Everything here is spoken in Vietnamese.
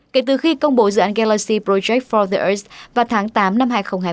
kể từ khi công bố dự án galaxy project for the earth vào tháng tám năm hai nghìn hai mươi một